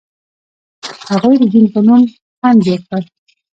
هغوی د دین په نوم خنډ جوړ کړ.